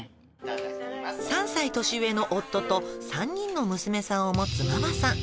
「３歳年上の夫と３人の娘さんを持つママさん」